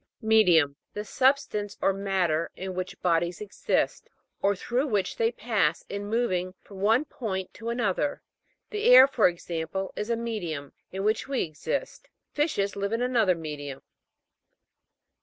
ME'DIUM. The substance or matter in which bodies exist, or through which they pass in moving from one point to another. The air, for example, is a medium, in which we exist ; fishes live in another medium.